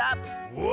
うわ！